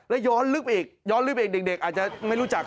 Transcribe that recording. แล้วย้อนลึกไปอีกย้อนลึกไปอีกเด็กอาจจะไม่รู้จัก